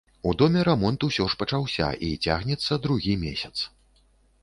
У доме рамонт усё ж пачаўся і цягнецца другі месяц.